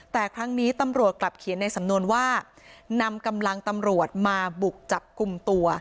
แต่ครั้งนี้ตำรวจกลับเขียนในสำนวนว่านำกำลังตำรวจมาบุกจับกลุ่มตัว